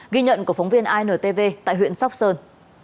ghi nhận của phóng viên intv tại huyện sóc sơn